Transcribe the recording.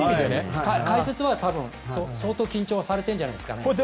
解説は多分、相当緊張されているんじゃないですかね。